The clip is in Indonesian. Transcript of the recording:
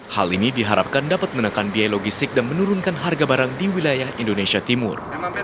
hal ini diharapkan dapat menekan biaya logistik dan menurunkan harga barang di wilayah indonesia timur